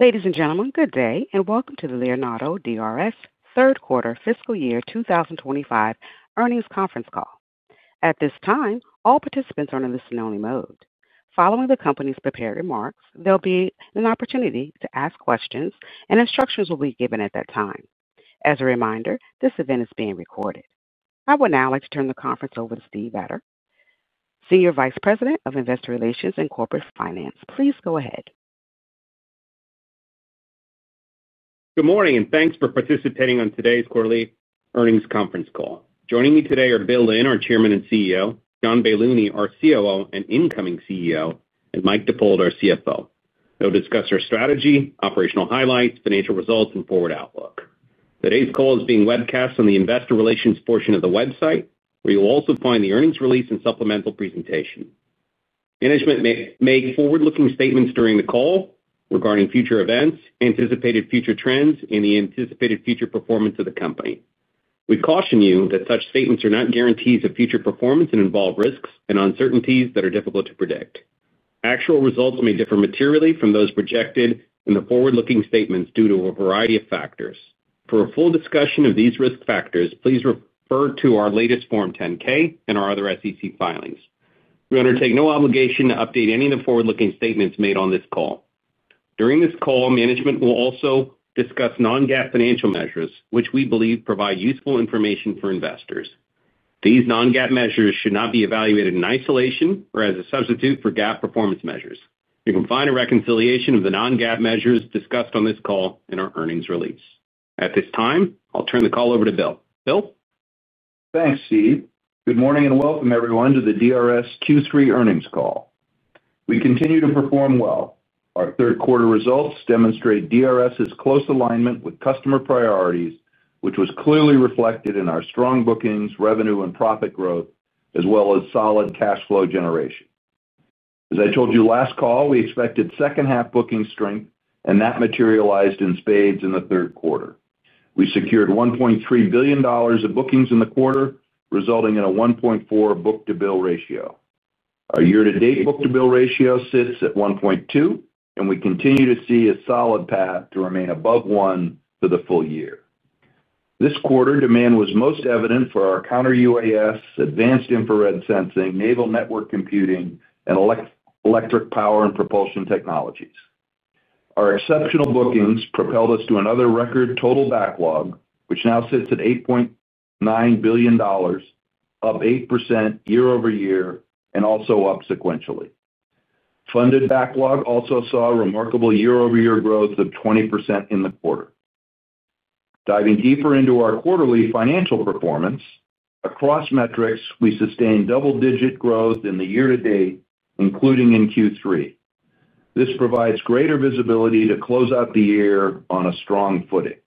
Ladies and gentlemen, good day and welcome to the Leonardo DRS third quarter fiscal year 2025 earnings conference call. At this time, all participants are in the listen-only mode. Following the company's prepared remarks, there'll be an opportunity to ask questions and instructions will be given at that time. As a reminder, this event is being recorded. I would now like to turn the conference over to Steve Vather, Senior Vice President of Investor Relations and Corporate Finance. Please go ahead. Good morning and thanks for participating on today's quarterly earnings conference call. Joining me today are Bill Lynn, our Chairman and CEO, John Baylouny, our COO and incoming CEO, and Mike DeBold, our CFO. They'll discuss our strategy, operational highlights, financial results, and forward outlook. Today's call is being webcast on the Investor Relations portion of the website where you will also find the earnings release and supplemental presentation. Management may make forward-looking statements during the call regarding future events, anticipated future trends, and the anticipated future performance of the company. We caution you that such statements are not guarantees of future performance and involve risks and uncertainties that are difficult to predict. Actual results may differ materially from those projected in the forward-looking statements due to a variety of factors. For a full discussion of these risk factors, please refer to our latest Form 10-K and our other SEC filings. We undertake no obligation to update any of the forward-looking statements made on this call. During this call, management will also discuss non-GAAP financial measures which we believe provide useful information for investors. These non-GAAP measures should not be evaluated in isolation or as a substitute for GAAP performance measures. You can find a reconciliation of the non-GAAP measures discussed on this call in our earnings release. At this time, I'll turn the call over to Bill. Bill? Thanks, Steve. Good morning and welcome everyone to the DRS Q3 earnings call. We continue to perform well. Our third quarter results demonstrate DRS close alignment with customer priorities, which was clearly reflected in our strong bookings, revenue, and profit growth as well as solid cash flow generation. As I told you last call, we expected second half bookings strength and that materialized in spades in the third quarter. We secured $1.3 billion of bookings in the quarter, resulting in a 1.4 book-to-bill ratio. Our year-to-date book-to-bill ratio sits at 1.2 and we continue to see a solid path to remain above one for the full year. This quarter, demand was most evident for our Counter-UAS, advanced infrared sensing, naval network computing, and electric power and propulsion technologies. Our exceptional bookings propelled us to another record total backlog, which now sits at $8.9 billion, up 8% year over year and also up sequentially. Funded backlog also saw remarkable year over year growth of 20% in the quarter. Diving deeper into our quarterly financial performance across metrics, we sustained double-digit growth in the year to date, including in Q3. This provides greater visibility to close out the year on a strong footing.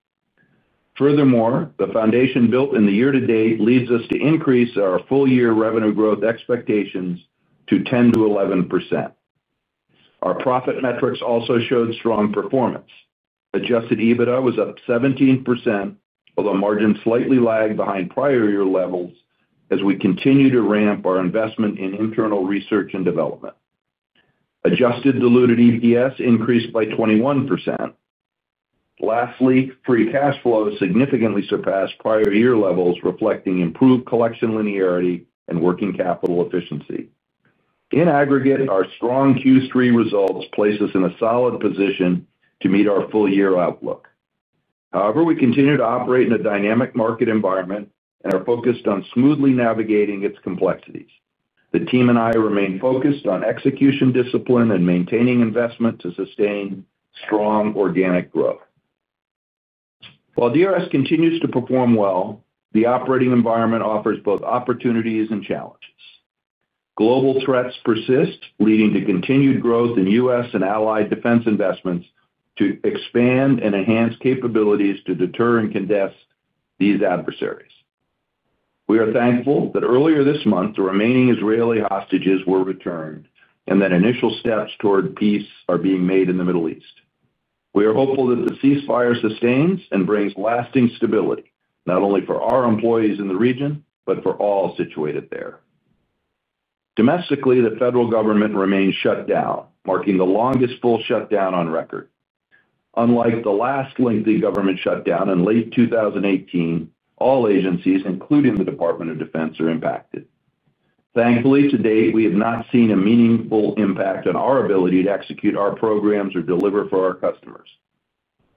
Furthermore, the foundation built in the year to date leads us to increase our full year revenue growth expectations to 10%-11%. Our profit metrics also showed strong performance. Adjusted EBITDA was up 17%, although margins slightly lagged behind prior year levels. As we continue to ramp our investment in internal research and development, adjusted diluted EPS increased by 21%. Lastly, free cash flow significantly surpassed prior year levels, reflecting improved collection linearity and working capital efficiency. In aggregate, our strong Q3 results place us in a solid position to meet our full year outlook. However, we continue to operate in a dynamic market environment and are focused on smoothly navigating its complexities. The team and I remain focused on execution discipline and maintaining investment to sustain strong organic growth. While DRS continues to perform well, the operating environment offers both opportunities and challenges. Global threats persist, leading to continued growth in U.S. and allied defense investments to expand and enhance capabilities to deter and condense these adversaries. We are thankful that earlier this month the remaining Israeli hostages were returned and that initial steps toward peace are being made in the Middle East. We are hopeful that the ceasefire sustains and brings lasting stability not only for our employees in the region, but for all situated there. Domestically, the federal government remains shut down, marking the longest full shutdown on record. Unlike the last lengthy government shutdown in late 2018, all agencies, including the Department of Defense, are impacted. Thankfully, to date we have not seen a meaningful impact on our ability to execute our programs or deliver for our customers.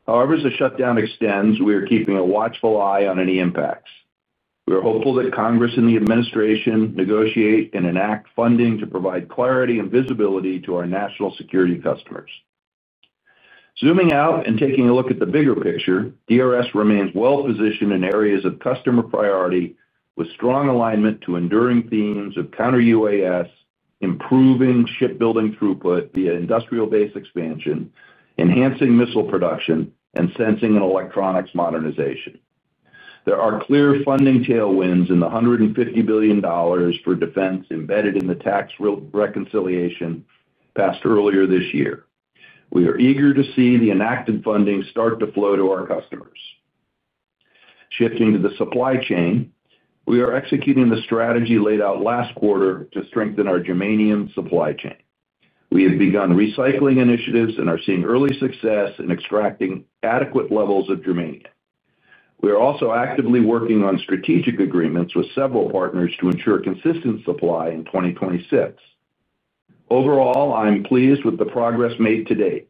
However, as the shutdown extends, we are keeping a watchful eye on any impacts. We are hopeful that Congress and the administration negotiate and enact funding to provide clarity and visibility to our national security customers. Zooming out and taking a look at the bigger picture, DRS remains well positioned in areas of customer priority, with strong alignment to enduring themes of Counter-UAS, improving shipbuilding throughput via industrial base expansion, enhancing missile production, and sensing and electronics modernization. There are clear funding tailwinds in the $150 billion for defense embedded in the tax reform reconciliation passed earlier this year. We are eager to see the enacted funding start to flow to our customers. Shifting to the supply chain, we are executing the strategy laid out last quarter to strengthen our germanium supply chain. We have begun recycling initiatives and are seeing early success in extracting adequate levels of germanium. We are also actively working on strategic agreements with several partners to ensure consistent supply in 2026. Overall, I'm pleased with the progress made to date.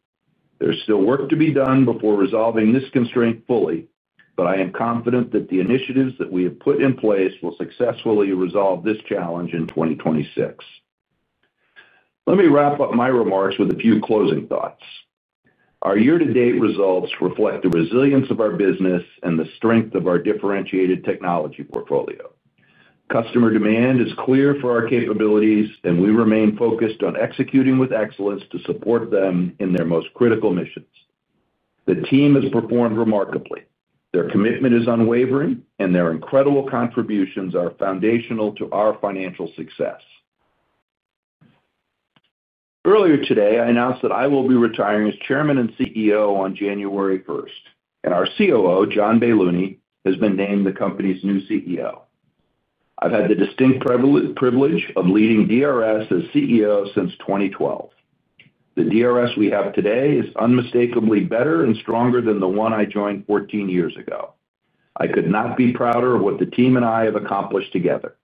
There's still work to be done before resolving this constraint fully, but I am confident that the initiatives that we have put in place will successfully resolve this challenge in 2026. Let me wrap up my remarks with a few closing thoughts. Our year to date results reflect the resilience of our business and the strength of our differentiated technology portfolio. Customer demand is clear for our capabilities, and we remain focused on executing with excellence to support them in their most critical missions. The team has performed remarkably. Their commitment is unwavering and their incredible contributions are foundational to our financial success. Earlier today, I announced that I will be retiring as Chairman and CEO on January 1, and our COO, John Baylouny, has been named the company's new CEO. I've had the distinct privilege of leading DRS as CEO since 2012. The DRS we have today is unmistakably better and stronger than the one I joined 14 years ago. I could not be prouder of what the team and I have accomplished together.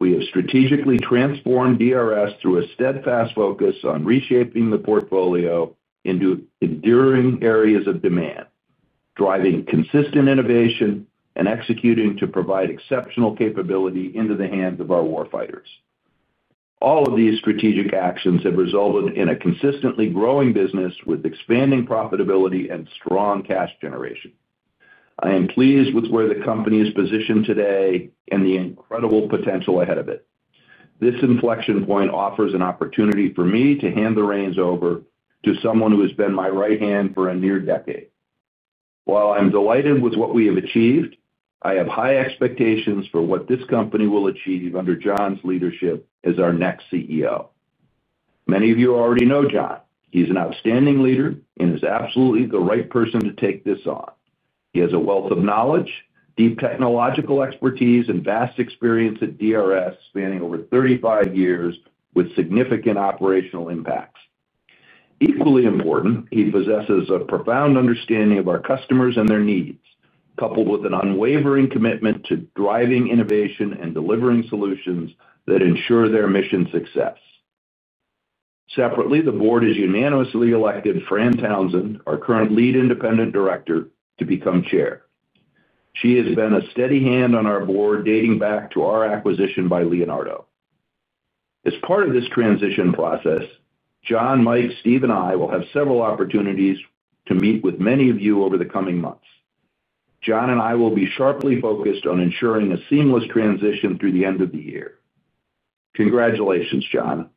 We have strategically transformed DRS through a steadfast focus on reshaping the portfolio into enduring areas of demand, driving consistent innovation and executing to provide exceptional capability into the hands of our warfighters. All of these strategic actions have resulted in a consistently growing business with expanding profitability and strong cash generation. I am pleased with where the company is positioned today and the incredible potential ahead of it. This inflection point offers an opportunity for me to hand the reins over to someone who has been my right hand for a near decade. While I'm delighted with what we have achieved, I have high expectations for what this company will achieve under John's leadership as our next CEO. Many of you already know John. He's an outstanding leader and is absolutely the right person to take this on. He has a wealth of knowledge, deep technological expertise, and vast experience at DRS spanning over 35 years with significant operational impacts. Equally important, he possesses a profound understanding of our customers and their needs, coupled with an unwavering commitment to driving innovation and delivering solutions that ensure their mission success. Separately, the Board has unanimously elected Fran Townsend, our current Lead Independent Director, to become Chair. She has been a steady hand on our Board dating back to our acquisition by Leonardo. As part of this transition process, John, Mike, Steve and I will have several opportunities to meet with many of you over the coming months. John and I will be sharply focused on ensuring a seamless transition through the end of the year. Congratulations, John.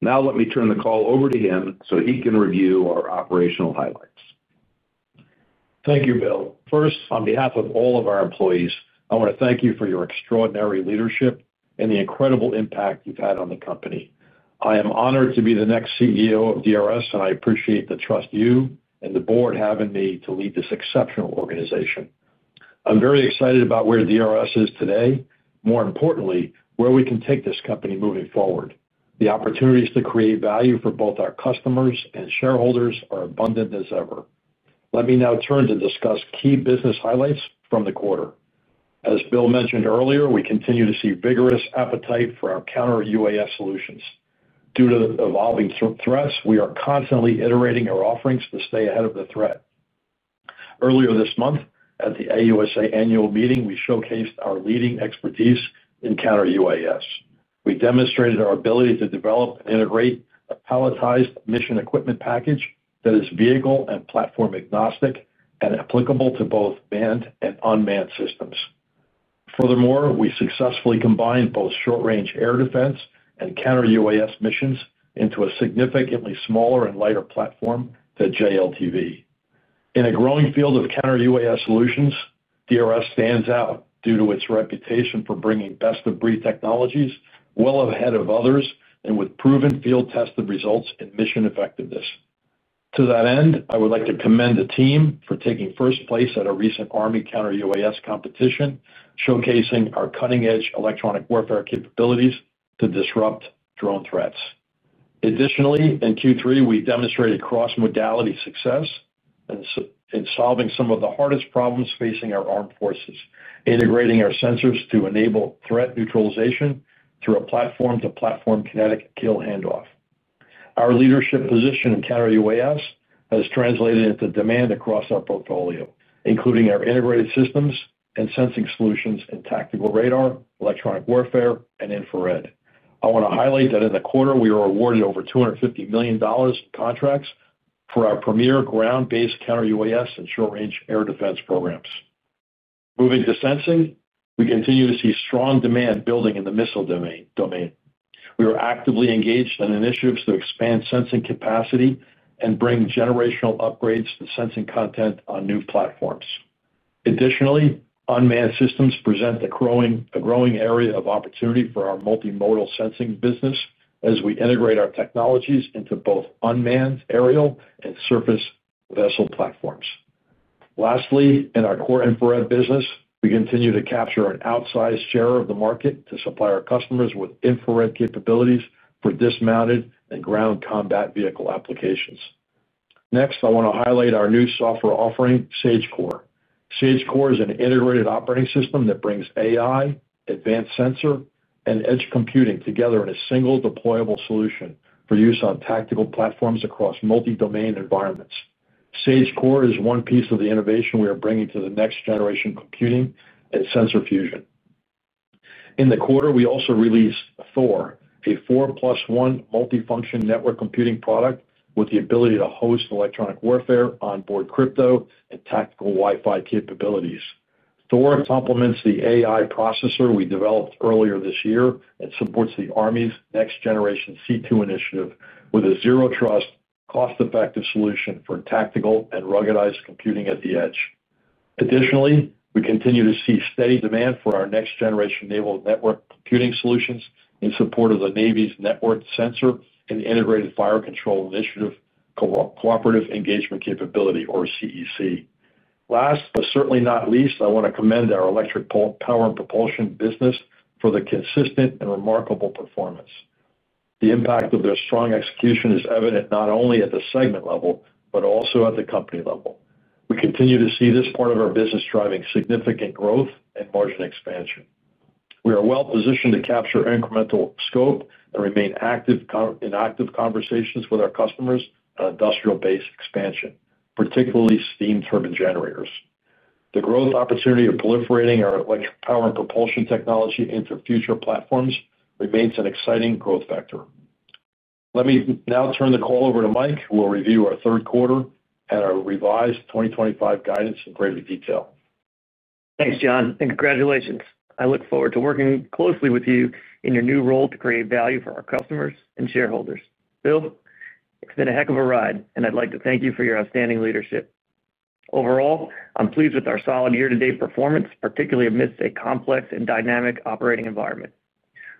Now let me turn the call over to him so he can review our operational highlights. Thank you, Bill. First, on behalf of all of our employees, I want to thank you for your extraordinary leadership and the incredible impact you've had on the company. I am honored to be the next CEO of Leonardo DRS, and I appreciate the trust you and the Board have in me to lead this exceptional organization. I'm very excited about where Leonardo DRS is today, and more importantly, where we can take this company moving forward. The opportunities to create value for both our customers and shareholders are as abundant as ever. Let me now turn to discuss key business highlights from the quarter. As Bill mentioned earlier, we continue to see vigorous appetite for our Counter-UAS solutions. Due to evolving threats, we are constantly iterating our offerings to stay ahead of the threat. Earlier this month at the AUSA Annual Meeting, we showcased our leading expertise in Counter-UAS. We demonstrated our ability to develop and integrate a palletized mission equipment package that is vehicle and platform agnostic and applicable to both manned and unmanned systems. Furthermore, we successfully combined both short-range air defense and Counter-UAS missions into a significantly smaller and lighter platform to JLTV. In a growing field of Counter-UAS solutions, Leonardo DRS stands out due to its reputation for bringing best-of-breed technologies well ahead of others and with proven, field-tested results and mission effectiveness. To that end, I would like to commend the team for taking first place at a recent Army Counter-UAS competition, showcasing our cutting-edge electronic warfare capabilities to disrupt drone threats. Additionally, in Q3, we demonstrated cross-modality success in solving some of the hardest problems facing our armed forces, integrating our sensors to enable threat neutralization through a platform-to-platform kinetic kill handoff. Our leadership position in Counter-UAS has translated into demand across our portfolio, including our integrated systems and sensing solutions in tactical, radar, electronic warfare, and infrared. I want to highlight that in the quarter, we were awarded over $250 million in contracts for our premier ground-based Counter-UAS and short-range air defense programs. Moving to Sensing, we continue to see strong demand building. In the missile domain, we are actively engaged in initiatives to expand sensing capacity and bring generational upgrades to sensing content on new platforms. Additionally, unmanned systems present a growing area of opportunity for our multimodal sensing business as we integrate our technologies into both unmanned aerial and surface vessel platforms. Lastly, in our core infrared business, we continue to capture an outsized share of the market to supply our customers with infrared capabilities for dismounted and ground combat vehicle applications. Next, I want to highlight our new software offering, Sage Core. Sage Core is an integrated operating system that brings AI, advanced sensor, and edge computing together in a single deployable solution for use on tactical platforms across multi-domain environments. Sage Core is one piece of the innovation we are bringing to next generation computing and sensor fusion in the quarter. We also released Thor, a 4.1 multifunction network computing product with the ability to host electronic warfare, onboard crypto, and tactical Wi-Fi capabilities. Thor complements the AI processor we developed earlier this year and supports the Army's Next Generation C2 initiative with a zero trust, cost-effective solution for tactical and ruggedized computing at the edge. Additionally, we continue to see steady demand for our next generation naval network computing solutions in support of the Navy's Network Sensor and Integrated Fire Control Initiative Cooperative Engagement Capability, or CEC. Last but certainly not least, I want to commend our electric power and propulsion business for the consistent and remarkable performance. The impact of their strong execution is evident not only at the segment level, but also at the company level. We continue to see this part of our business driving significant growth and margin expansion. We are well positioned to capture incremental scope and remain active in conversations with our customers on industrial base expansion, particularly steam turbine generators. The growth opportunity of proliferating our electric power and propulsion technology into future platforms remains an exciting growth factor. Let me now turn the call over to Mike, who will review our third quarter and our revised 2025 guidance in greater detail. Thanks John and congratulations. I look forward to working closely with you in your new role to create value for our customers and shareholders. Bill, it's been a heck of a ride and I'd like to thank you for your outstanding leadership. Overall, I'm pleased with our solid year-to-date performance, particularly amidst a complex and dynamic operating environment.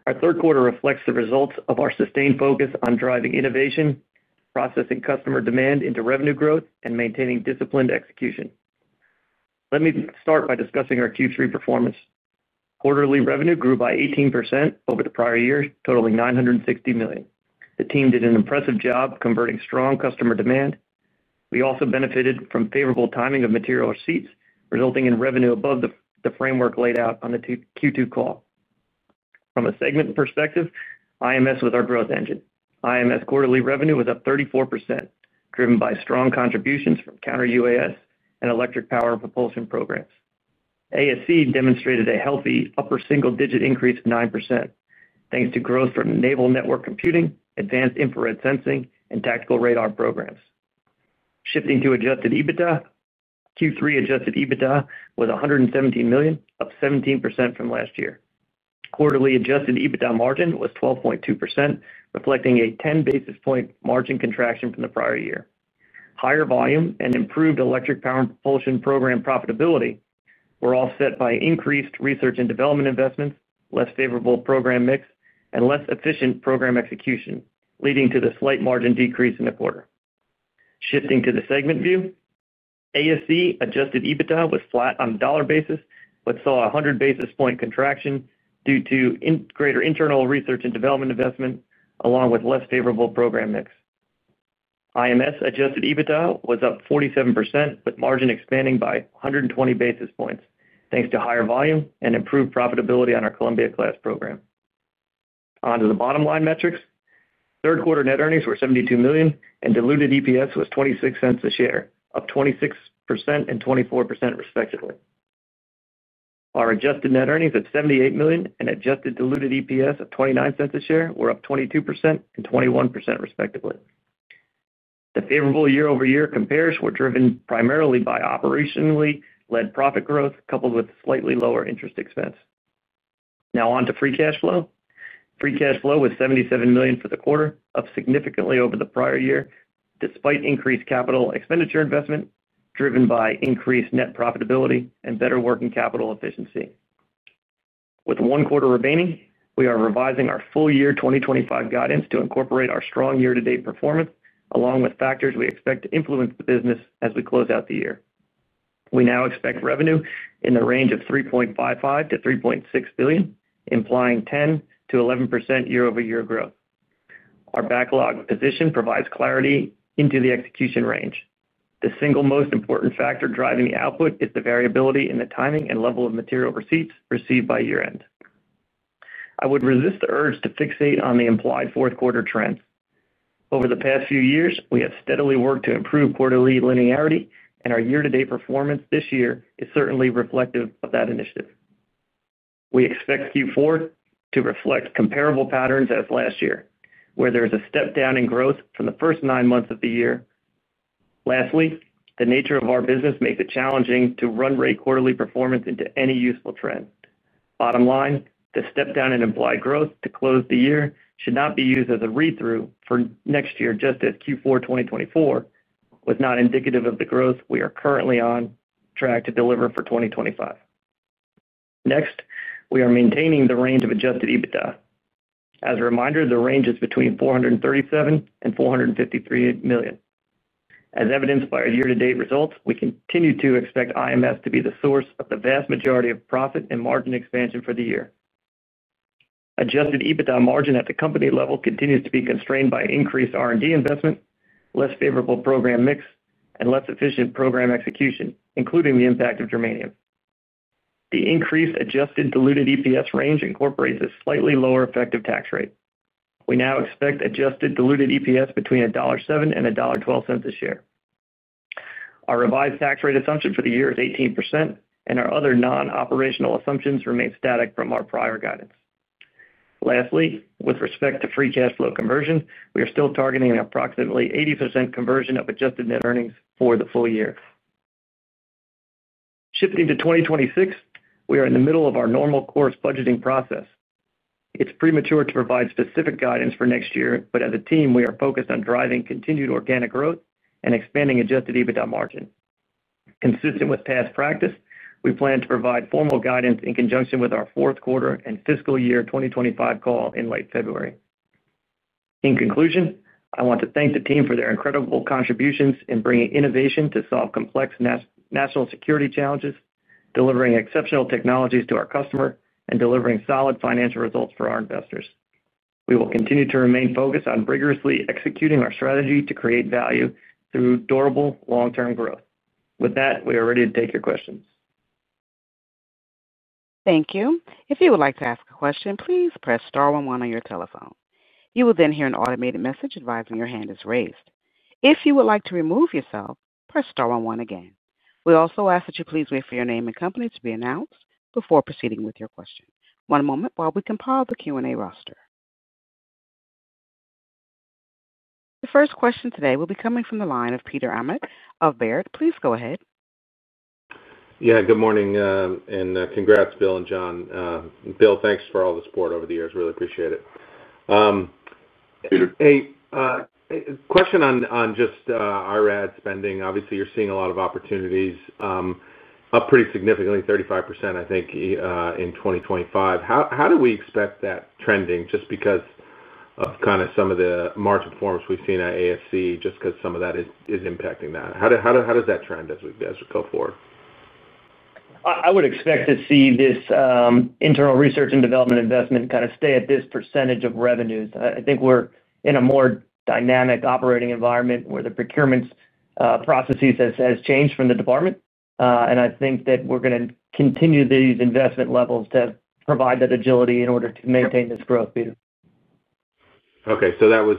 Our third quarter reflects the results of our sustained focus on driving innovation, processing customer demand into revenue growth, and maintaining disciplined execution. Let me start by discussing our Q3 performance. Quarterly revenue grew by 18% over the prior year, totaling $960 million. The team did an impressive job converting strong customer demand. We also benefited from favorable timing of material receipts, resulting in revenue above the framework laid out on the Q2 call. From a segment perspective, IMS was our growth engine. IMS quarterly revenue was up 34%, driven by strong contributions from Counter-UAS and electric power and propulsion programs. ASC demonstrated a healthy upper single-digit increase of 9% thanks to growth from naval network computing, advanced infrared sensing, and tactical radar programs. Shifting to adjusted EBITDA, Q3 adjusted EBITDA was $117 million, up 17% from last year. Quarterly adjusted EBITDA margin was 12.2%, reflecting a 10 basis point margin contraction from the prior year. Higher volume and improved electric power and propulsion program profitability were offset by increased research and development investments, less favorable program mix, and less efficient program execution, leading to the slight margin decrease in the quarter. Shifting to the segment view, ASC adjusted EBITDA was flat on a dollar basis but saw a 100 basis point contraction due to greater internal research and development investment along with less favorable program mix. IMS adjusted EBITDA was up 47%, with margin expanding by a higher 120 basis points thanks to higher volume and improved profitability on our Columbia Class program. Onto the bottom line metrics, third quarter net earnings were $72 million and diluted EPS was $0.26 a share, up 26% and 24% respectively. Our adjusted net earnings of $78 million and adjusted diluted EPS of $0.29 a share were up 22% and 21% respectively. The favorable year-over-year compares were driven primarily by operationally led profit growth coupled with slightly lower interest expense. Now on to free cash flow. Free cash flow was $77 million for the quarter, up significantly over the prior year despite increased capital expenditure investment driven by increased net profitability and better working capital efficiency. With one quarter remaining, we are revising our full year 2025 guidance to incorporate our strong year to date performance along with factors we expect to influence the business as we close out the year. We now expect revenue in the range of $3.55 to $3.6 billion, implying 10% to 11% year over year growth. Our backlog position provides clarity into the execution range. The single most important factor driving the output is the variability in the timing and level of material receipts received by year end. I would resist the urge to fixate on the implied fourth quarter trend. Over the past few years, we have steadily worked to improve quarterly linearity and our year to date performance this year is certainly reflective of that initiative. We expect Q4 to reflect comparable patterns as last year where there is a step down in growth from the first nine months of the year. Lastly, the nature of our business makes it challenging to run rate quarterly performance into any useful trend. Bottom line, the step down in implied growth to close the year should not be used as a read through for next year. Just as Q4 2024 was not indicative of the growth we are currently on track to deliver for 2025. Next, we are maintaining the range of adjusted EBITDA. As a reminder, the range is between $437 and $453 million as evidenced by our year to date results. We continue to expect IMs to be the source of the vast majority of profit and margin expansion for the year. Adjusted EBITDA margin at the company level continues to be constrained by increased R&D investment, less favorable program mix and less efficient program execution, including the impact of germanium. The increased adjusted diluted EPS range incorporates a slightly lower effective tax rate. We now expect adjusted diluted EPS between $1.07 and $1.12 a share. Our revised tax rate assumption for the year is 18% and our other non-operational assumptions remain static from our prior guidance. Lastly, with respect to free cash flow conversion, we are still targeting an approximately 80% conversion of adjusted net earnings for the full year. Shifting to 2026, we are in the middle of our normal course budgeting process. It's premature to provide specific guidance for next year, but as a team we are focused on driving continued organic growth and expanding adjusted EBITDA margin. Consistent with past practice, we plan to provide formal guidance in conjunction with our fourth quarter and fiscal year 2025 call in late February. In conclusion, I want to thank the team for their incredible contributions in bringing innovation to solve complex national security challenges, delivering exceptional technologies to our customer and delivering solid financial results for our investors. We will continue to remain focused on rigorously executing our strategy to create value and through durable long term growth. With that, we are ready to take your questions. Thank you. If you would like to ask a question, please press star 11 on your telephone. You will then hear an automated message advising your hand is raised. If you would like to remove yourself, press star 11 again. We also ask that you please wait for your name and company to be announced before proceeding with your question. One moment while we compile the Q and A roster. The first question today will be coming from the line of Peter Arment of Baird. Please go ahead. Yeah, good morning and congrats Bill and John. Bill, thanks for all the support over the years. Really appreciate it. Peter, hey, question on just IRAD spending. Obviously you're seeing a lot of opportunities up pretty significantly, 35% I think in 2025. How do we expect that to be trending? Just because of kind of some of the March performance we've seen at AFC, just because some of that is impacting that. How does that trend as we go forward? I would expect to see this internal research and development investment kind of stay at this % of revenues. I think we're in a more dynamic operating environment where the procurement processes have changed from the department. I think that we're going to continue these investment levels to provide that agility in order to maintain this growth meter. Okay, that was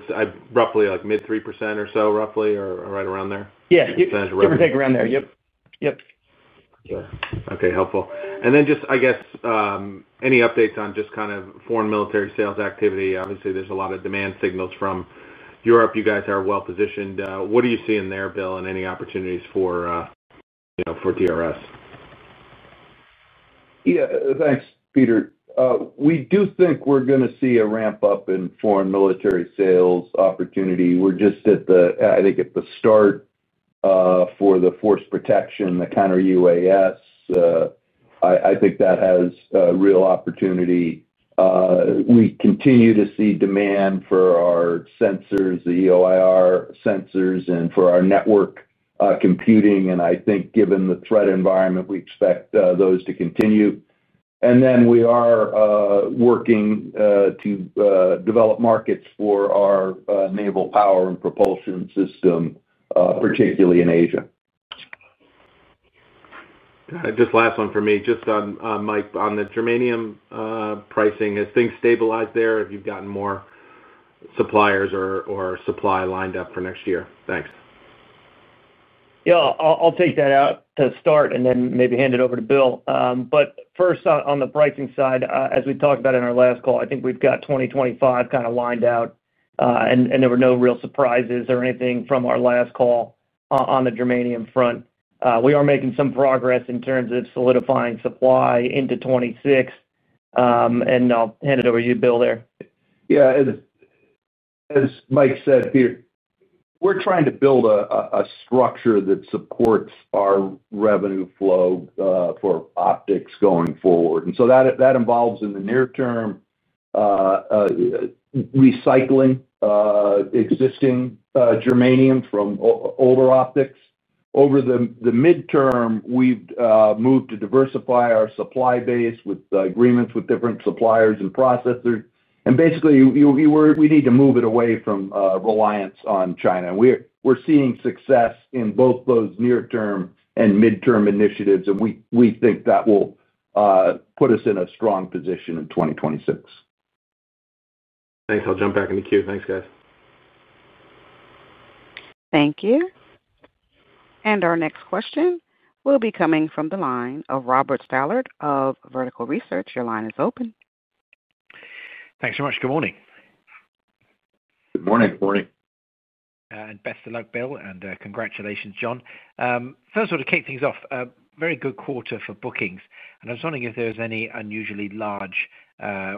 roughly like mid 3% or so or roughly right around there? Yeah. You can check around there. Okay, helpful. I guess any updates on just kind of foreign military sales activity? Obviously there's a lot of demand signals from Europe. You guys are well positioned. What are you seeing there, Bill? Any opportunities for DRS? Yeah, thanks, Peter. We do think we're going to see a ramp up in foreign military sales opportunity. We're just at the, I think at the start for the force protection, the Counter-UAS. I think that has real opportunity. We continue to see demand for our sensors, the EOIR sensors, and for our network computing. Given the threat environment, we expect those to continue. We are working to develop markets for our naval power and propulsion system, particularly in Asia. Just last one for me, just on. Mike, on the germanium pricing, have things stabilized there? Have you gotten more suppliers or supply lined up for next year? Thanks. Yeah, I'll take that to start and then maybe hand it over to Bill. On the pricing side, as we talked about in our last call, I think we've got 2025 kind of lined out and there were no real surprises or anything from our last call. On the germanium front, we are making some progress in terms of solidifying supply into 2026. I'll hand it over to you, Bill. Yeah. As Mike said, Peter, we're trying to build a structure that supports our revenue flow for optics going forward. That involves in the near term, recycling existing germanium from older optics. Over the midterm, we've moved to diversify our supply base with agreements with different suppliers and processors. Basically, we need to move it away from reliance on China. We're seeing success in both those near term and midterm initiatives, and we think that will put us in a strong position in 2026. Thanks. I'll jump back in the queue. Thanks, guys. Thank you. Our next question will be coming from the line of Robert Stallard of Vertical Research. Your line is open. Thanks very much. Good morning. Good morning. Best of luck, Bill and congratulations John, first of all, to kick things off. A very good quarter for bookings. I was wondering if there was any unusually large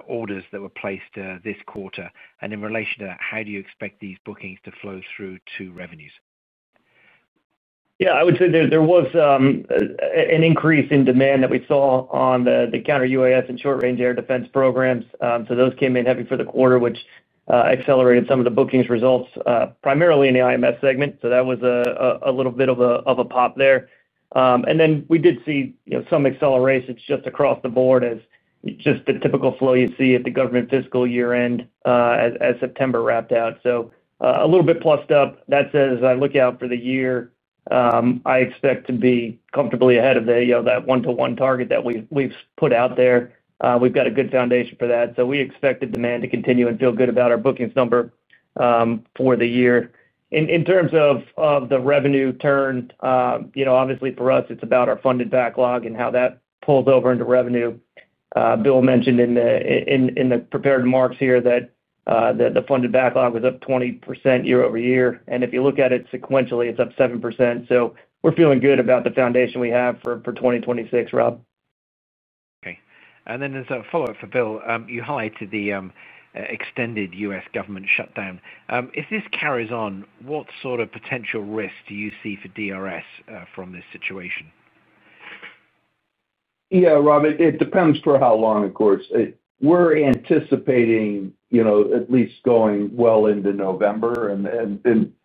orders that were placed this quarter, and in relation to that, how do you expect these bookings to flow through to revenues? Yeah, I would say there was an increase in demand that we saw on the Counter-UAS and short-range air defense programs. Those came in heavy for the quarter, which accelerated some of the bookings results primarily in the IMF segment. That was a little bit of a pop there. We did see some accelerations just across the board as just the typical flow you see at the government fiscal year end as September wrapped out. A little bit plussed up. As I look out for the year, I expect to be comfortably ahead of that one to one target that we've put out there. We've got a good foundation for that. We expected demand to continue and feel good about our bookings number for the year. In terms of the revenue turn, you know, obviously for us it's about our funded backlog and how that pulls over into revenue. Bill mentioned in the prepared remarks here that the funded backlog was up 20% year over year, and if you look at it sequentially, it's up 7%. We're feeling good about the foundation we have for 2026. Rob. Okay. As a follow up for Bill, you highlighted the extended U.S. government shutdown. If this carries on, what sort of potential risk do you see for DRS from this situation? Yeah, Rob, it depends for how long. Of course we're anticipating at least going well into November.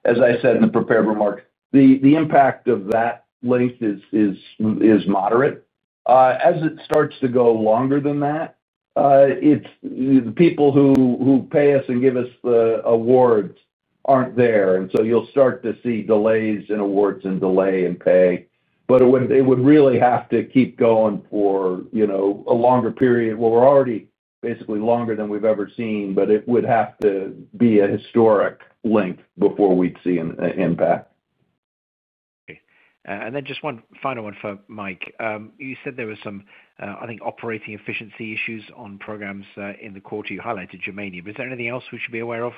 As I said in the prepared remarks, the impact of that length is moderate. As it starts to go longer than that, the people who pay us and give us the awards aren't there, so you'll start to see delays in awards and delay in pay. It would really have to keep going for a longer period where we're already basically longer than we've ever seen. It would have to be a historic length before we'd see an impact. Just one final one for Mike. You said there was some, I think operating efficiency issues on programs in the quarter. You highlighted germanium. Is there anything else we should be aware of?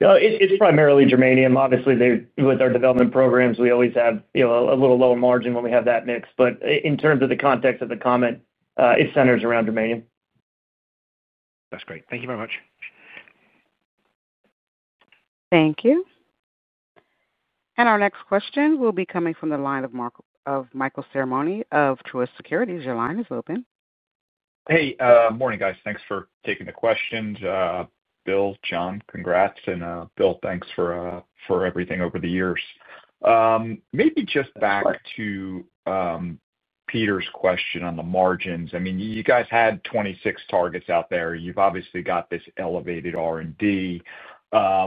It's primarily germanium. Obviously, with our development programs, we always have a little lower margin when we have that mix. In terms of the context of the comment, it centers around germanium. That's great. Thank you very much. Thank you. Our next question will be coming from the line of Michael Ciarmoli of Truist Securities. Your line is open. Hey, morning guys. Thanks for taking the question, Bill, John, congrats. Bill, thanks for everything over the years. Maybe just back to Peter's question on the margins. I mean, you guys had 26 targets out there. You've obviously got this elevated R&D. How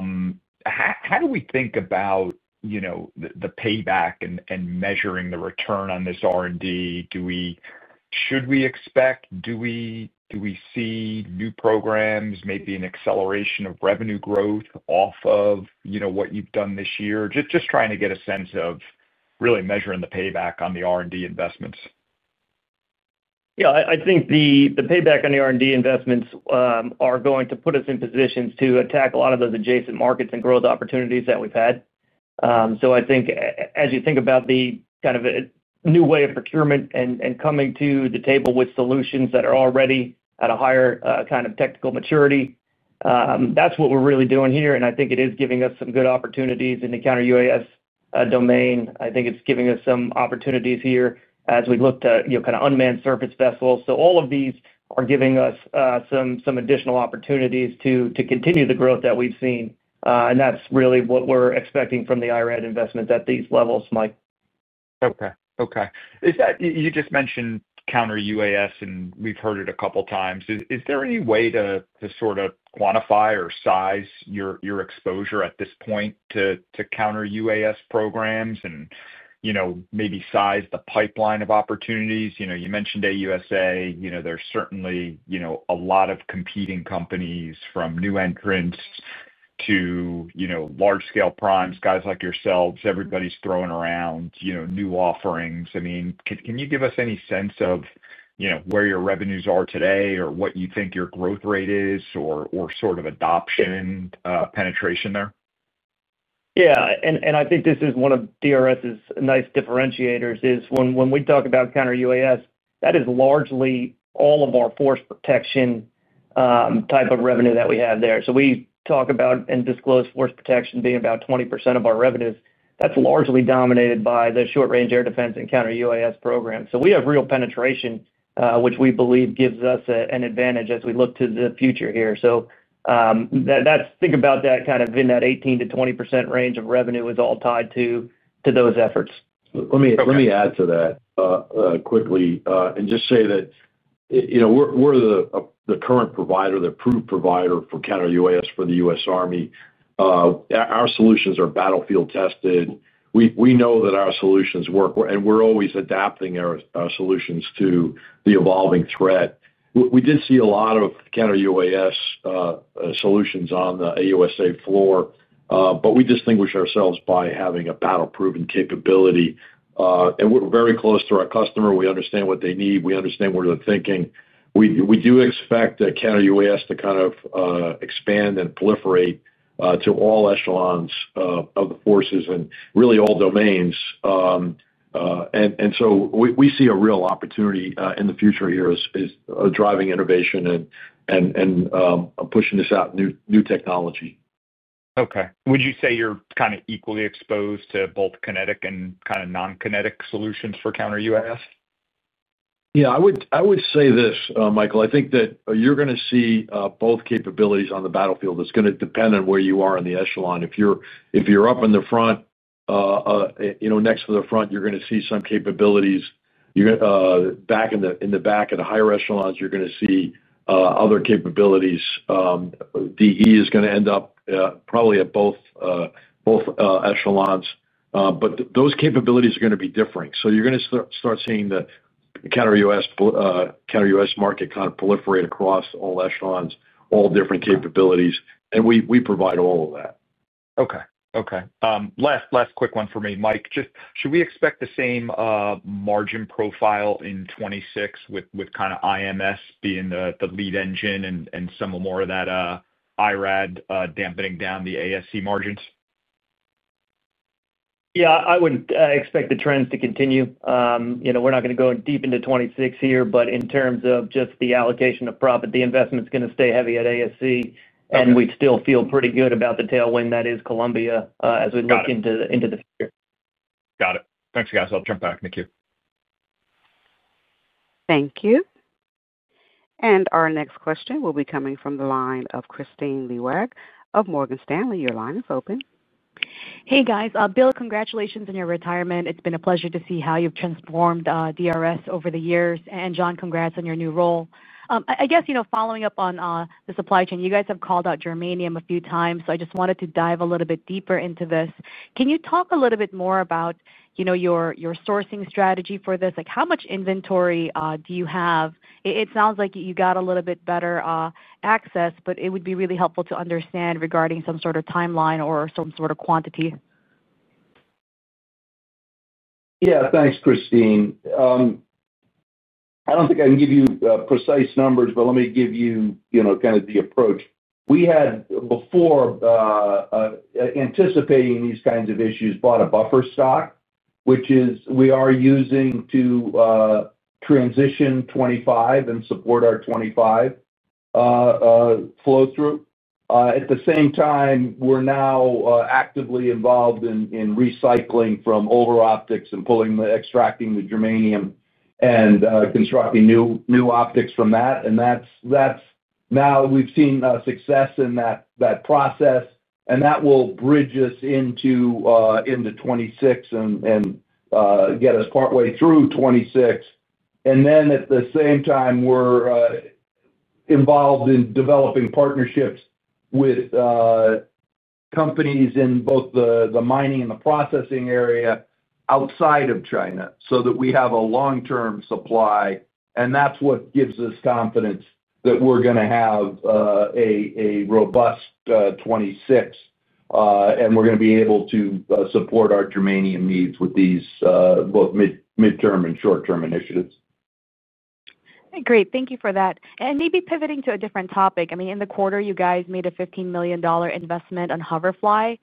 do we think about the payback and measuring the return on this R&D? Should we expect, do we see new programs, maybe an acceleration of revenue growth off of what you've done this year? Just trying to get a sense of really measuring the payback on the R&D investments? Yeah, I think the payback on the R&D investments are going to put us in positions to attack a lot of those adjacent markets and growth opportunities that we've had. I think as you think about the kind of new way of procurement and coming to the table with solutions that are already at a higher kind of technical maturity, that's what we're really doing here. I think it is giving us some good opportunities in the Counter-UAS domain. I think it's giving us some opportunities here as we look to kind of unmanned surface vessels. All of these are giving us some additional opportunities to continue the growth that we've seen. That's really what we're expecting from the IRAD investment at these levels Mike. Okay, okay. You just mentioned Counter-UAS and we've heard it a couple times. Is there any way to sort of quantify or size your exposure at this point to Counter-UAS programs and you maybe size the pipeline of opportunities? You know, you mentioned AUSA. There's certainly a lot of competing companies from new entrants to large scale primes, guys like yourselves, everybody's throwing around new offerings. Can you give us any sense of where your revenues are today or what you think your growth rate is or sort of adoption penetration there? Yeah, I think this is one of DRS's nice differentiators. When we talk about Counter-UAS, that is largely all of our force protection type of revenue that we have there. We talk about and disclose force protection being about 20% of our revenues. That's largely dominated by the short-range air defense and Counter-UAS program. We have real penetration, which we believe gives us an advantage as we look to the future here. Think about that kind of in that 18% to 20% range of revenue; it is all tied to those efforts. Let me add to that quickly and just say that, you know, we're the current provider, the approved provider for Counter-UAS for the U.S. Army. Our solutions are battlefield tested. We know that our solutions work, and we're always adapting our solutions to the evolving threat. We did see a lot of Counter-UAS solutions on the AUSA floor, but we distinguish ourselves by having a battle-proven capability. We're very close to our customer. We understand what they need, we understand where they're thinking. We do expect Counter-UAS to kind of expand and proliferate to all echelons of the forces and really all domains. We see a real opportunity in the future here, driving innovation and pushing this out, new technology. Okay. Would you say you're kind of equally exposed to both kinetic and kind of Non-kinetic solutions for Counter-UAS? Yeah, I would say this, Michael. I think that you're going to see both capabilities on the battlefield. It's going to depend on where you are in the echelon. If you're up in the front, next to the front, you're going to see some capabilities. Back in the back, at higher echelons, you're going to see other capabilities. DE is going to end up probably at both echelons, but those capabilities are going to be differing. You're going to start seeing the Counter-UAS market kind of proliferate across all echelons, all different capabilities, and we provide all of that. Okay, last quick one for me, Mike. Should we expect the same margin profile in 2026 with kind of IMS being the lead engine and some more of that IRAD dampening down the ASC margins? Yeah, I would expect the trends to continue. We're not going to go deep into 2026 here, but in terms of just the allocation of profit, the investment is going to stay heavy at ASC, and we still feel pretty good about the tailwind that is Columbia as we look into the future. Got it. Thanks guys. I'll jump back in the queue. Thank you. Our next question will be coming from the line of Kristine Liwag of Morgan Stanley. Your line is open. Hey, guys. Bill, congratulations on your retirement. It's been a pleasure to see how you've transformed Leonardo DRS over the years. John, congrats on your new role. I guess following up on the supply chain, you guys have called out germanium a few times, so I just wanted to dive a little bit deeper into this. Can you talk a little bit more about your sourcing strategy for this? How much inventory do you have? It sounds like you got a little bit better access, but it would be really helpful to understand regarding some sort of timeline or some sort of quantity. Yeah, thanks, Kristine. I don't think I can give you precise numbers, but let me give you kind of the approach we had before anticipating these kinds of issues. Bought a buffer stock, which is we are using to transition 2025 and support our 2025 flow through at the same time. We're now actively involved in recycling from over optics and pulling the extracting the germanium and constructing new optics from that. We've seen success in that process, and that will bridge us into 2026 and get us partway through 2026. At the same time, we're involved in developing partnerships with companies in both the mining and the processing area outside of China, so that we have a long-term supply. That's what gives us confidence that we're going to have a robust 2026 and we're going to be able to support our germanium needs with these both mid-term and short-term initiatives. Great, thank you for that. Maybe pivoting to a different topic, in the quarter you guys made a $15 million investment on Hoverfly.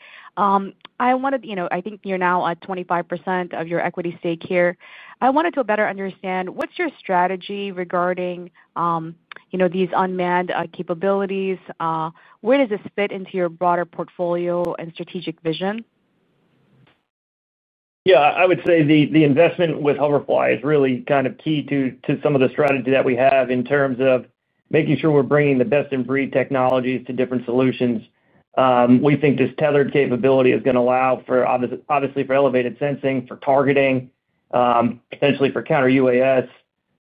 I think you're now at 25% of your equity stake here. I wanted to better understand what's your strategy regarding these unmanned capabilities. Where does this fit into your broader portfolio and strategic vision? I would say the investment with Hoverfly is really kind of key to some of the strategy that we have in terms of making sure we're bringing the best in breed technologies to different solutions. We think this tethered capability is going to allow for, obviously, elevated sensing, for targeting, potentially for Counter-UAS.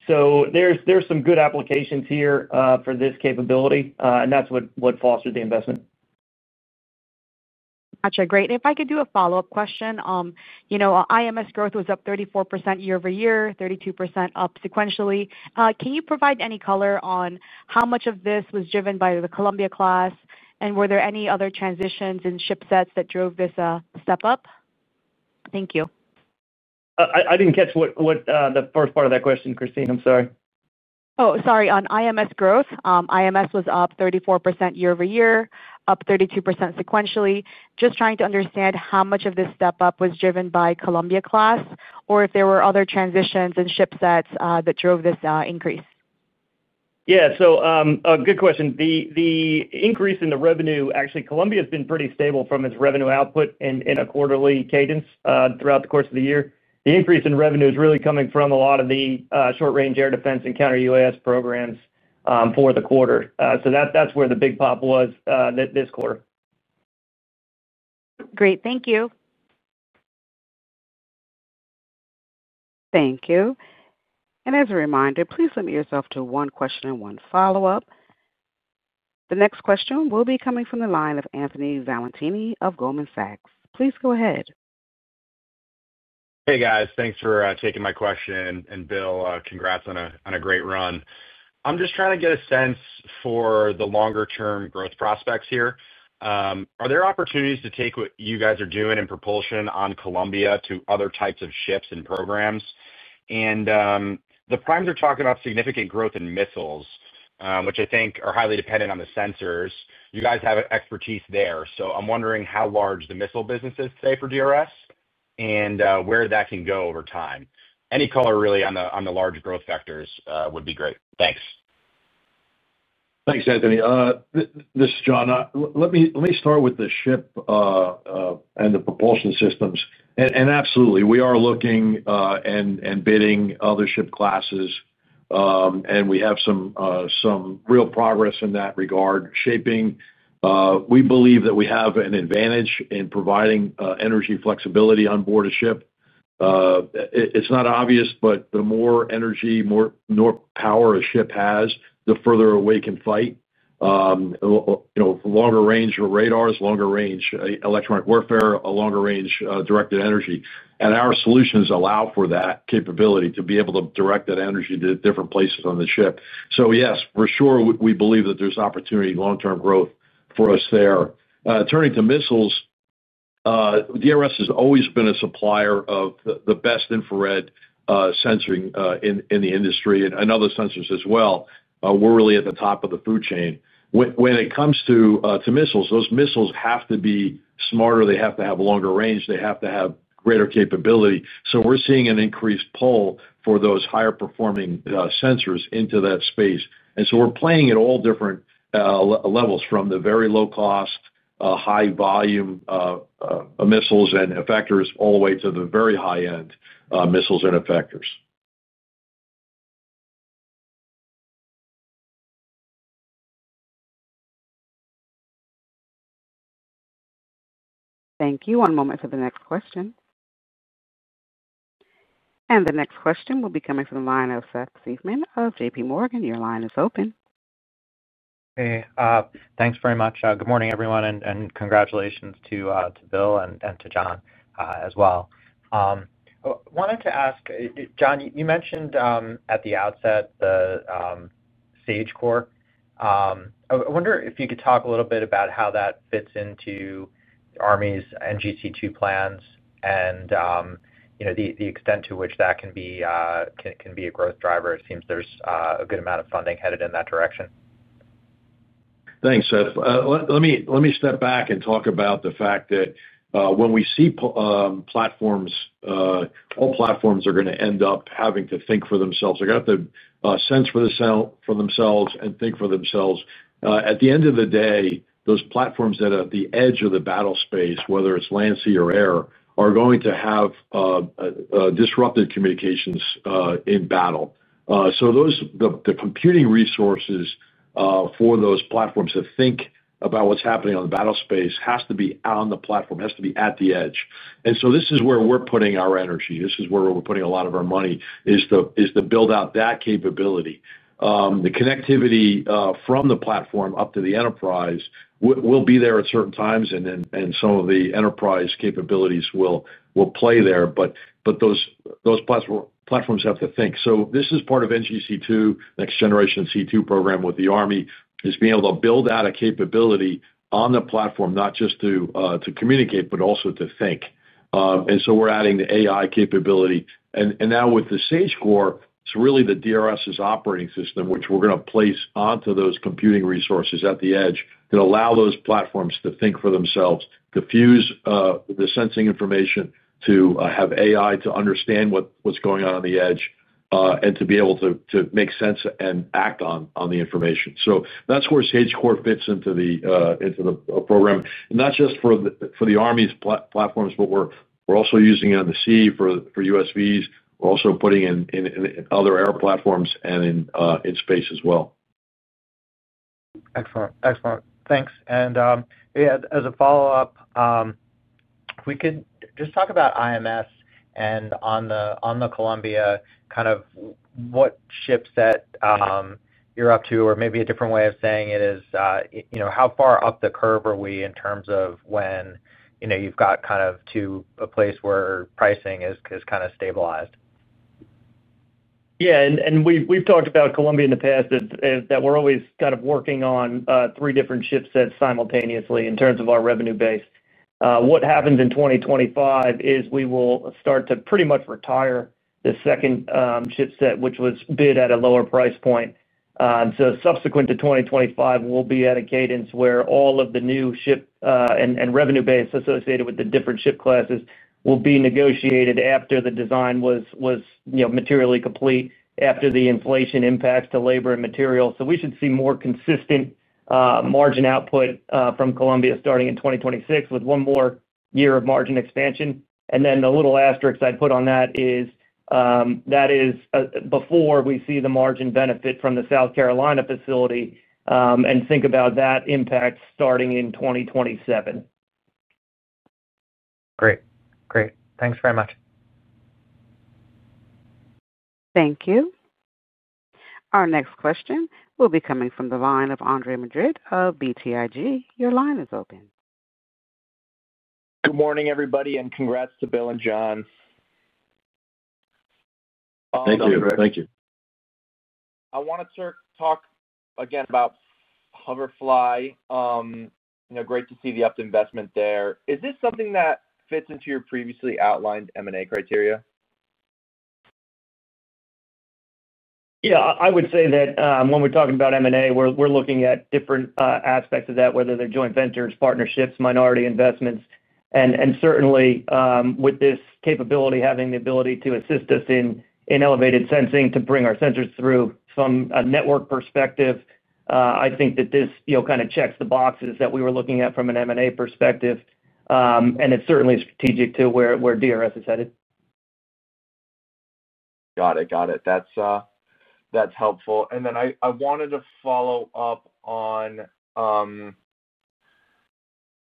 There are some good applications here for this capability, and that's what fostered the investment. If I could do a follow-up question. IMS growth was up 34% year over year, 32% up sequentially. Can you provide any color on how much of this was driven by the Columbia class? Were there any other transitions in ship sets that drove this step up? Thank you. I didn't catch the first part of that question, Kristine. I'm sorry. On IMS growth, IMS was up 34% year over year, up 32% sequentially. Trying to understand how much of this step up was driven by Columbia class or if there were other transitions and ship sets that drove this increase. Yeah, good question. The increase in the revenue. Actually, Columbia has been pretty stable from its revenue output in a quarterly cadence throughout the course of the year. The increase in revenue is really coming from a lot of the short-range air defense and Counter-UAS programs for the quarter. That's where the big pop was this quarter. Great. Thank you. Thank you. As a reminder, please limit yourself to one question and one follow up. The next question will be coming from the line of Anthony Valentini of Goldman Sachs. Please go ahead. Hey guys, thanks for taking my question. Bill, congrats on a great run. I'm just trying to get a sense for the longer term growth prospects here. Are there opportunities to take what you guys are doing in propulsion on Columbia to other types of ships and programs? The primes are talking about significant growth in missiles, which I think are highly dependent on the sensors. You guys have expertise there. I'm wondering how large the missile business is today for DRS and where that can go over time. Any color really on the large growth factors would be great. Thanks. Thanks, Anthony. This is John. Let me start with the ship and the propulsion systems. Absolutely, we are looking and bidding other ship classes, and we have some real progress in that regard shaping. We believe that we have an advantage in providing energy flexibility on board a ship. It's not obvious, but the more energy power a ship has, the further away it can fight, you know, longer range radars, longer range electronic warfare, a longer range directed energy. Our solutions allow for that capability to be able to direct that energy to different places on the ship. Yes, for sure we believe that there's opportunity, long-term growth for us there. Turning to missiles, DRS has always been a supplier of the best infrared sensing in the industry and other sensors as well. We're really at the top of the food chain when it comes to missiles. Those missiles have to be smarter, they have to have longer range, they have to have greater capability. We're seeing an increased pull for those higher performing sensors into that space. We're playing at all different levels from the very low cost, high volume missiles and effectors all the way to the very high end missiles and effectors. Thank you. One moment for the next question. The next question will be coming from the line of Seth SeIfman of JPMorgan. Your line is open. Thanks very much. Good morning everyone, and congratulations to Bill and to John as well. Wanted to ask John, you mentioned at the outset the Sage Core. I wonder if you could talk a little bit about how that fits into the U.S. Army's Next Generation C2 plans and the extent to which that can be a growth driver. It seems there's a good amount of funding headed in that direction. Thanks, Seth. Let me step back and talk about the fact that when we see platforms, all platforms are going to end up having to think for themselves. They're going to have to sense for themselves and think for themselves. At the end of the day, those platforms that are at the edge of the battle space, whether it's land, sea, or air, are going to have disrupted communications in battle. The computing resources for those platforms to think about what's happening on the battle space have to be on the platform, have to be at the edge. This is where we're putting our energy, this is where we're putting a lot of our money, to build out that capability. The connectivity from the platform up to the enterprise will be there at certain times, and some of the enterprise capabilities will play there. Those platforms have to think. This is part of the Next Generation C2 program with the U.S. Army, being able to build out a capability on the platform not just to communicate, but also to think. We're adding the AI capability, and now with the Sage Core, it's really the DRS operating system which we're going to place onto those computing resources at the edge that allow those platforms to think for themselves, to fuse the sensing information, to have AI, to understand what's going on on the edge, and to be able to make sense and act on the information. That's where Sage Core fits into the program, not just for the U.S. Army's platforms, but we're also using it on the sea for USVs. We're also putting it in other air platforms and in space as well. Excellent, excellent. Thanks. As a follow up, we could, just talk about IMs and on the Columbia, kind of what ship set you're up to, or maybe a different way of saying it is how far up the curve are we in terms of when you've got kind of to a place where pricing is kind of stabilized. Yeah. We've talked about Columbia in the past that we're always kind of working on three different chipsets simultaneously. In terms of our revenue base, what happens in 2025 is we will start to pretty much retire the second chipset, which was bid at a lower price point. Subsequent to 2025, we'll be at a cadence where all of the new ship and revenue base associated with the different ship classes will be negotiated after the design was materially complete, after the inflation impacts to labor and materials. We should see more consistent margin output from Columbia starting in 2026 with one more year of margin expansion. The little asterisks I'd put on that is, that is before we see the margin benefit from the South Carolina facility. Think about that impact starting in 2027. Great, great. Thanks very much. Thank you. Our next question will be coming from the line of Andre Madrid of BTIG. Your line is open. Good morning, everybody, and congrats to Bill and John. Thank you. Thank you. I want to talk again about Hoverfly. Great to see the upped investment there. Is this something that fits into your previously outlined M&A criteria? Yeah. I would say that when we're talking about M&A, we're looking at different aspects of that, whether they're joint ventures, partnerships, minority investments, and certainly with this capability, having the ability to assist us in elevated sensing, to bring our sensors through from a network perspective. I think that this kind of checks the boxes that we were looking at from an M&A perspective, and it's certainly strategic to where Leonardo DRS is headed. Got it, got it. That's helpful. I wanted to follow up on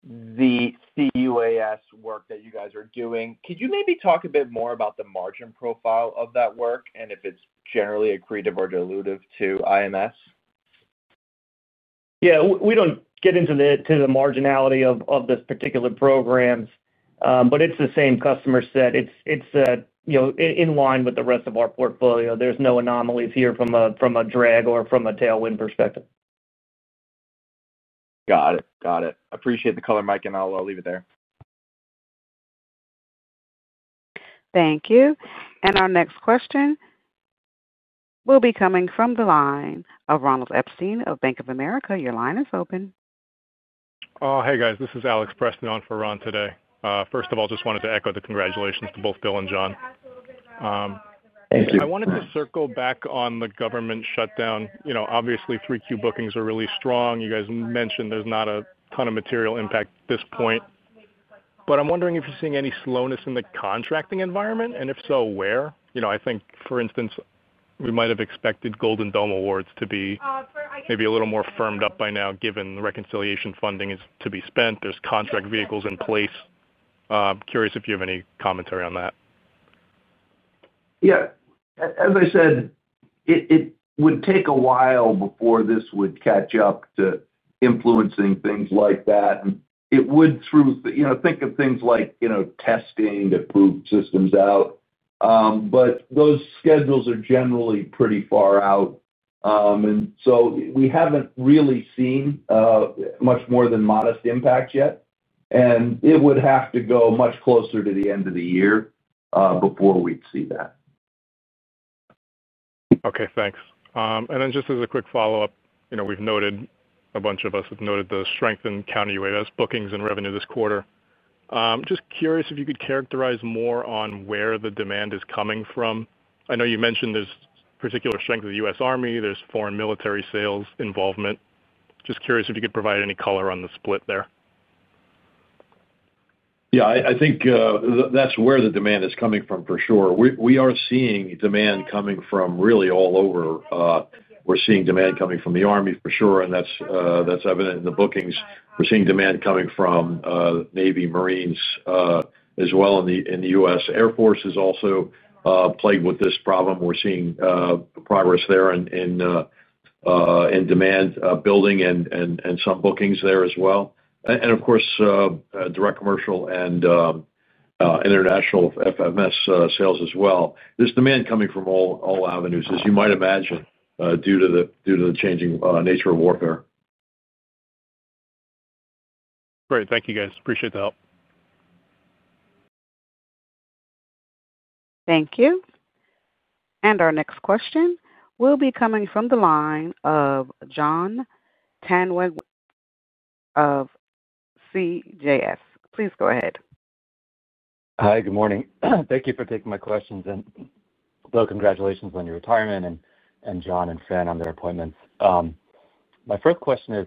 the Counter-UAS work that you guys are doing. Could you maybe talk a bit more about the margin profile of that work and if it's generally accretive or dilutive to IMs? Yeah, we don't get into the marginality of this particular programs, but it's the same customer set. It's, you know, in line with the rest of our portfolio. There's no anomalies here from a drag or from a tailwind perspective. Got it, got it. I appreciate the color, Mike, and I'll leave it there. Thank you. Our next question will be coming from the line of Ronald Epstein of Bank of America. Your line is open. Hey, guys, this is Alex Preston on for Ron today. First of all, just wanted to echo the congratulations to both Bill and John. Thank you. I wanted to circle back on the government shutdown. Obviously, 3Q bookings are really strong. You guys mentioned there's not a ton of material impact at this point, but I'm wondering if you're seeing any slowness in the contracting environment and if so, where? I think, for instance, we might have expected Golden Dome Awards to be maybe a little more firmed up by now, given the reconciliation funding is to be spent, there's contract vehicles in place. Curious if you have any commentary on that. Yeah, as I said, it would take a while before this would catch up to influencing things like that. It would, you know, go through things like testing to prove systems out. Those schedules are generally pretty far out, so we haven't really seen much more than modest impact yet. It would have to go much closer to the end of the year before we'd see that. Okay, thanks. Just as a quick follow up, you know, we've noted a bunch of us have noted the strength in Counter-UAS bookings and revenue this quarter. Just curious if you could characterize more on where the demand is coming from. I know you mentioned there's particular strength of the U.S. Army, there's foreign military sales involvement. Just curious if you could provide any color on the split there. I think that's where the demand is coming from for sure. We are seeing demand coming from really all over. We're seeing demand coming from the Army for sure and that's evident in the bookings. We're seeing demand coming from Navy, Marines as well. The U.S. Air Force is also plagued with this problem. We're seeing progress there in demand building and some bookings there as well. Of course, direct, commercial, and international FMS sales as well. There's demand coming from all avenues as you might imagine, due to the changing nature of warfare. Great. Thank you guys. Appreciate the help. Thank you. Our next question will be coming from the line of Jon Tanwanteng of CJS. Please go ahead. Hi, good morning. Thank you for taking my questions and congratulations on your retirement and John Fran on their appointments. My first question is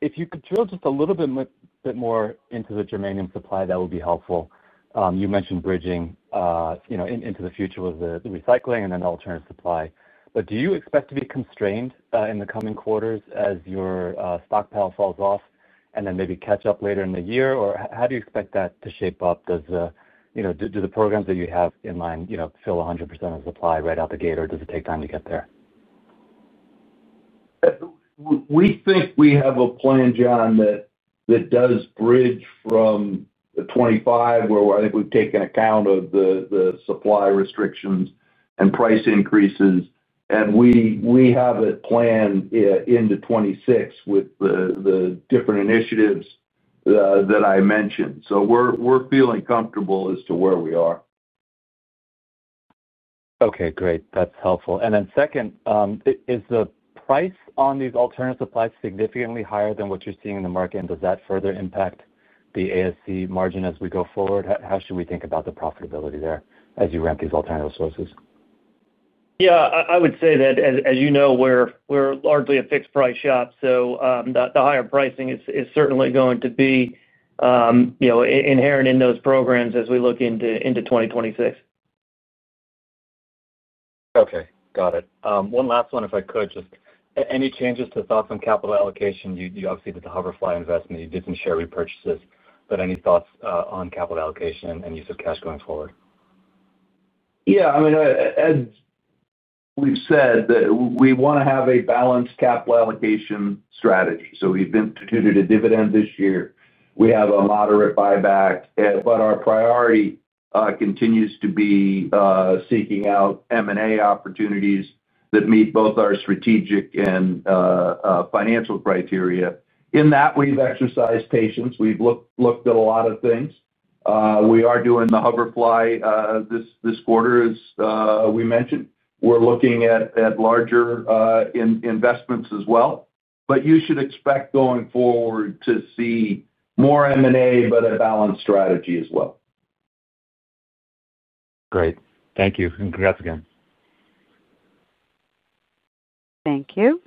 if you could drill just a little bit more into the germanium supply, that would be helpful. You mentioned bridging into the future with recycling and then alternative supply. Do you expect to be constrained in the coming quarters as your stockpile falls off, and then maybe catch up later in the year, or how do you expect that to shape up? Do the programs that you have fill 100% of supply right out the gate, or does it take time to get there? We think we have a plan, Jon, that does bridge from 2025, where I think we've taken account of the supply restrictions and price increases, and we have it planned into 2026 with the different initiatives that I mentioned. We're feeling comfortable as to where we are. Okay, great, that's helpful. Second, is the price on these alternative supplies significantly higher than what you're seeing in the market? Does that further impact the ASC? Margin as we go forward? How should we think about the profitability there as you ramp these alternative sources? Yeah, I would say that as you know, we're largely a fixed price shop, so the higher pricing is certainly going to be inherent in those programs as we look into 2026. Okay, got it. One last one, if I could. Any changes to thoughts on capital allocation you obviously did the Hoverfly investment. You did some share repurchases. Any thoughts on capital allocation and use of cash going forward? Yeah, I mean, as we've said, we want to have a balanced capital allocation strategy, so we've instituted a dividend this year. We have a moderate buyback, but our priority continues to be seeking out M&A opportunities that meet both our strategic and financial criteria. In that, we've exercised patience, we've looked at a lot of things. We are doing the Hoverfly this quarter, as we mentioned, we're looking at larger investments as well. You should expect going forward to see more M&A, but a balanced strategy as well. Great.Thank you, and congrats again. Thank you.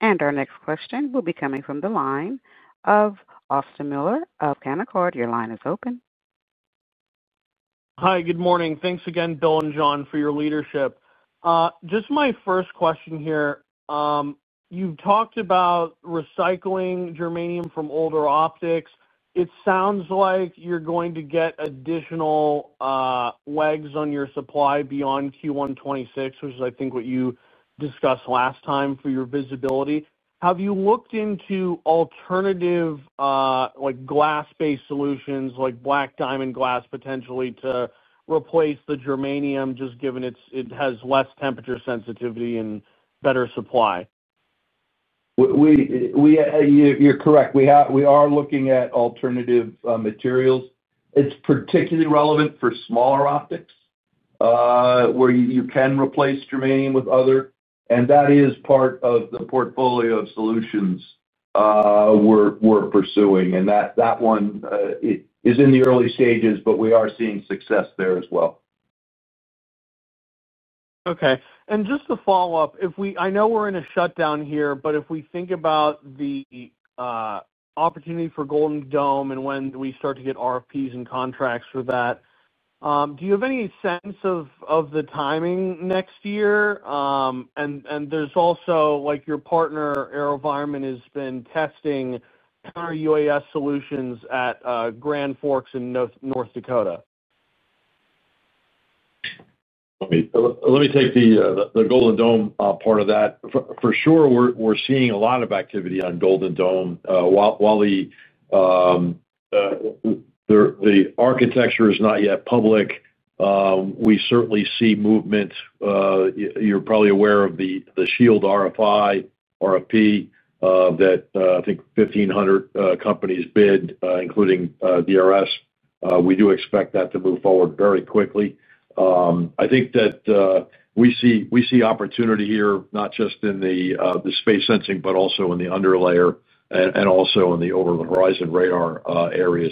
Our next question will be coming from the line of Austin Moeller of Canaccord. Your line is open. Hi, good morning. Thanks again, Bill and John, for your leadership. Just my first question here. You talked about recycling germanium from older optics. It sounds like you're going to get additional legs on your supply beyond Q1 2026, which is, I think, what you discussed last time for your visibility. Have you looked into alternative glass-based solutions like Black Diamond glass, potentially to replace the germanium just given it has less temperature sensitivity and better supply? You're correct. We are looking at alternative materials. It's particularly relevant for smaller optics where you can replace germanium with others. That is part of the portfolio of solutions we're pursuing. That one is in the early stages, but we are seeing success there as well. Okay, just to follow up, if we think about the opportunity for Golden Dome and when do we start to get RFPs and contracts for that, do you have any sense of the timing? Next year? There's also your partner, AeroVironment, has been testing UAS solutions at Grand Forks in North Dakota. Let me take the Golden Dome part of that for sure. We're seeing a lot of activity on Golden Dome. While the architecture is not yet public, we certainly see movement. You're probably aware of the Shield RFI/RFP that I think 1,500 companies bid, including DRS. We do expect that to move forward very quickly. I think that we see opportunity here not just in the space sensing, but also in the under layer and also in the Overland Horizon radar area.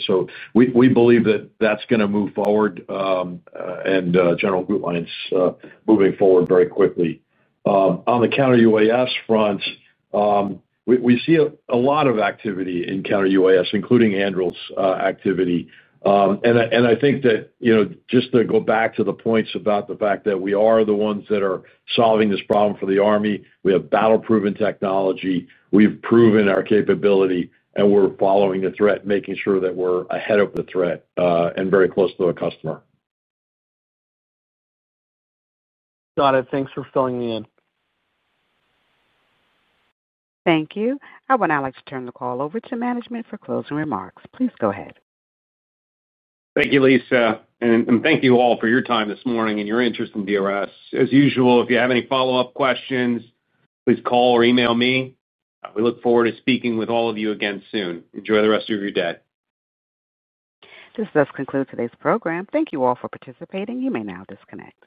We believe that that's going to move forward and General Bootlein is moving forward very quickly. On the Counter-UAS front, we see a lot of activity in Counter-UAS including Anduril's activity. I think that, just to go back to the points about the fact that we are the ones that are solving this problem for the U.S. Army. We have battle-proven technology, we've proven our capability, and we're following the threat, making sure that we're ahead of the threat and very close to a customer. Got it. Thanks for filling me in. Thank you. I would now like to turn the call over to management for closing remarks. Please go ahead. Thank you, Lisa. Thank you all for your time this morning and your interest in DRS as usual. If you have any follow-up questions, please call or email me. We look forward to speaking with all of you again soon. Enjoy the rest of your day. This does conclude today's program. Thank you all for participating. You may now disconnect.